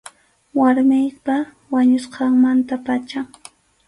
Warmiypa wañusqanmanta pacham.